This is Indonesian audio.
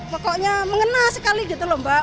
pokoknya mengena sekali gitu loh mbak